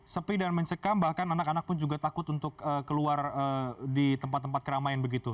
sepi dan mencekam bahkan anak anak pun juga takut untuk keluar di tempat tempat keramaian begitu